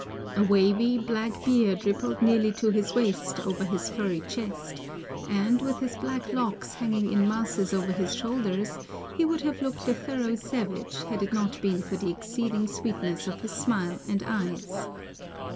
A wavy, black beard rippled nearly to his waist over his furry chest, and, with his black locks hanging in masses over his shoulders, he would have looked a thorough savage had it not been for the exceeding sweetness of his smile and eyes.